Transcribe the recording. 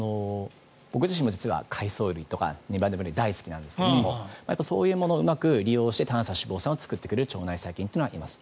僕自身も実は海草類とかネバネバ類大好きなんですけどそういうものをうまく利用して短鎖脂肪酸を作っていく細菌というのはいます。